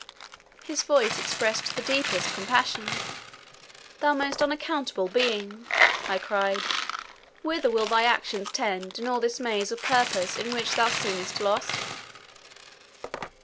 His voice expressed the deepest compassion: "Thou most unaccountable being," I cried, "whither will thy actions tend, in all this maze of purpose in which thou seemest lost?"